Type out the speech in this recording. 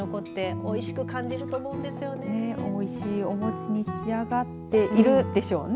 おいしいお餅に仕上がっているでしょうね。ね。